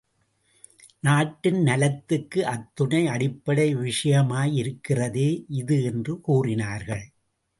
நாட்டின் நலத்துக்கு அத்துணை அடிப்படை விஷயமாய் இருக்கிறதே இது என்று கூறினார்கள்.